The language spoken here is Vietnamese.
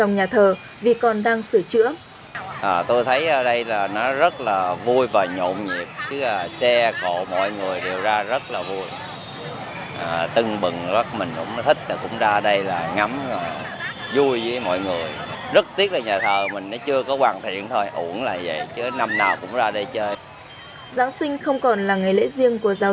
ngồi bên trong nhà thờ vì còn đang sửa chữa giáng sinh không còn là ngày lễ riêng của giáo